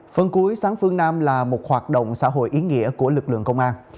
phần cuối sáng phương nam là một hoạt động xã hội ý nghĩa của lực lượng công an